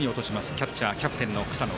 キャッチャー、キャプテンの草野。